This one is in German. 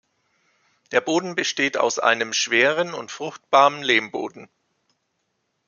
Der Boden besteht aus einem schweren und fruchtbaren Lehmboden.